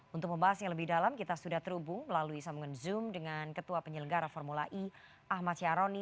untuk membahas yang lebih dalam kita sudah terhubung melalui sambungan zoom dengan ketua penyelenggara formula e ahmad syaroni